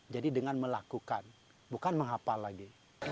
jadi dengan melakukan bukan menghapal lagi